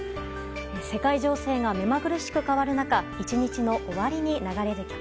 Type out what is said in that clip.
世界情勢が目まぐるしく変わる中１日の終わりに流れる曲。